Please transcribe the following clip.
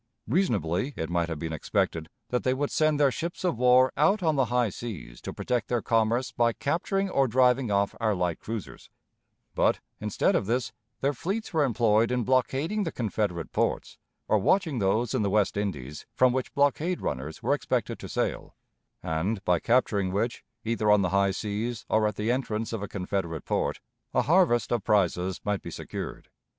Reasonably, it might have been expected that they would send their ships of war out on the high seas to protect their commerce by capturing or driving off our light cruisers, but, instead of this, their fleets were employed in blockading the Confederate ports, or watching those in the West Indies, from which blockade runners were expected to sail, and, by capturing which, either on the high seas or at the entrance of a Confederate port, a harvest of prizes might be secured.